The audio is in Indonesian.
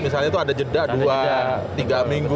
misalnya itu ada jeda dua tiga minggu